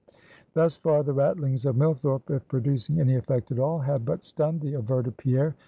Thus far, the rattlings of Millthorpe, if producing any effect at all, had but stunned the averted Pierre.